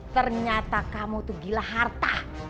ternyata kamu tuh gila harta